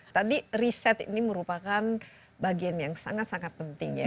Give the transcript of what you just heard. tadi riset ini merupakan bagian yang sangat sangat penting ya